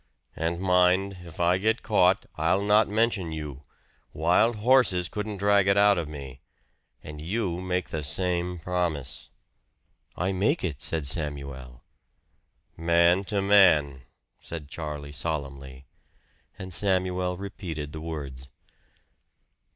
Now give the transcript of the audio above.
"And mind, if I get caught, I'll not mention you wild horses couldn't drag it out of me. And you make the same promise." "I make it," said Samuel. "Man to man," said Charlie solemnly; and Samuel repeated the words.